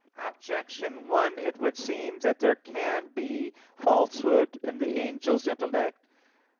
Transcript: Objection 1: It would seem that there can be falsehood in the angel's intellect.